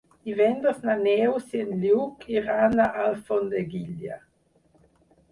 Divendres na Neus i en Lluc iran a Alfondeguilla.